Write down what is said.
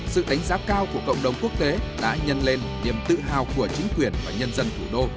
sự đánh giá cao của cộng đồng quốc tế đã nhân lên niềm tự hào của chính quyền và nhân dân thủ đô